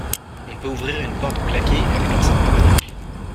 On peut ouvrir une porte claquée avec une simple radio.